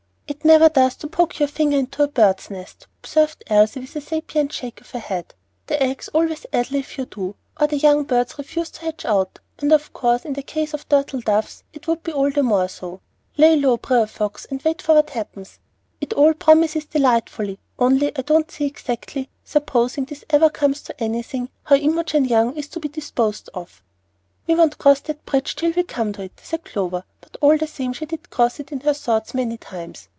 "It never does to poke your finger into a bird's nest," observed Elsie, with a sapient shake of the head. "The eggs always addle if you do, or the young birds refuse to hatch out; and of course in the case of turtle doves it would be all the more so. 'Lay low, Bre'r Fox,' and wait for what happens. It all promises delightfully, only I don't see exactly, supposing this ever comes to anything, how Imogen Young is to be disposed of." "We won't cross that bridge till we come to it," said Clover; but all the same she did cross it in her thoughts many times.